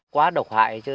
quá độc hại chứ